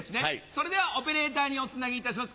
それではオペレーターにおつなぎいたします。